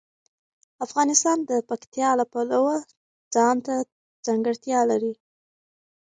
افغانستان د پکتیا د پلوه ځانته ځانګړتیا لري.